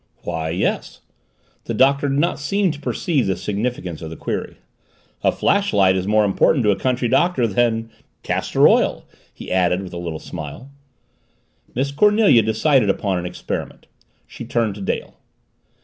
"Why yes " The Doctor did not seem to perceive the significance of the query. "A flashlight is more important to a country Doctor than castor oil," he added, with a little smile. Miss Cornelia decided upon an experiment. She turned to Dale.